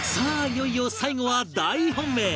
いよいよ最後は大本命！